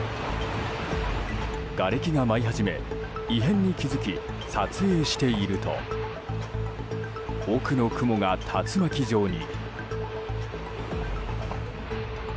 がれきが舞い始め異変に気付き、撮影していると奥の雲が竜巻状に。